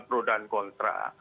pro dan kontra